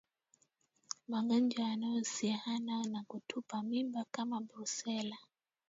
Magonjwa yanayohusiana na kutupa mimba kama Brusela